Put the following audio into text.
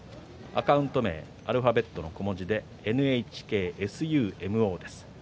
アカウント名はアルファベットの小文字でｎｈｋｓｕｍｏです。